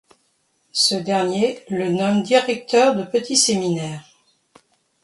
Ce dernier le nomme directeur de petit séminaire.